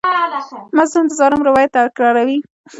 مظلوم د ظالم روایت تکراروي.